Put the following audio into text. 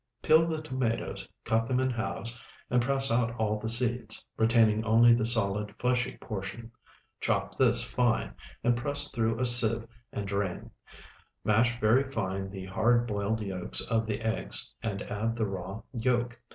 Peel the tomatoes, cut them in halves, and press out all the seeds, retaining only the solid, fleshy portion. Chop this fine; press through a sieve and drain. Mash very fine the hard boiled yolks of the eggs, and add the raw yolk.